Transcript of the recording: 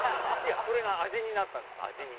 それが味になったんです味に。